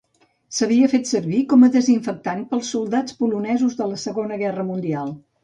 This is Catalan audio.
S’havia fet servir com desinfectant pels soldats polonesos de la Segona Guerra Mundial.